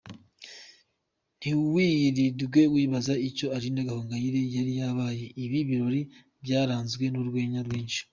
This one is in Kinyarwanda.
Ntiwirirwe wibaza icyo Aline Gahongayire yari yabaye, ibi birori byaranzwe n'urwenya rwinshi.